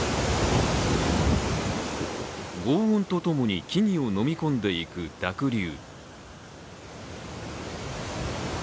ごう音とともに木々を飲み込んでいく濁流。